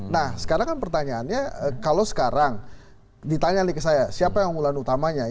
nah sekarang kan pertanyaannya kalau sekarang ditanya ke saya siapa yang unggulan utamanya